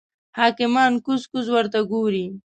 حکیمان کوز کوز ورته ګوري.